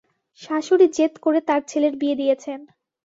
শাশুড়ি জেদ করে তাঁর ছেলের বিয়ে দিয়েছেন।